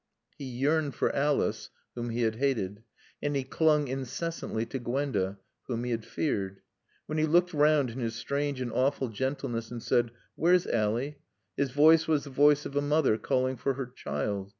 He yearned for Alice, whom he had hated. And he clung incessantly to Gwenda, whom he had feared. When he looked round in his strange and awful gentleness and said, "Where's Ally?" his voice was the voice of a mother calling for her child.